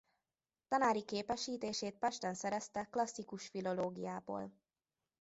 Tanári képesítését Pesten szerezte klasszikus filológiából.